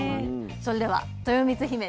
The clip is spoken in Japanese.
それではとよみつひめ